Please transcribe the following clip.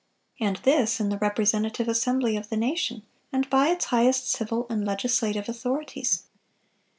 And this in the representative assembly of the nation, and by its highest civil and legislative authorities!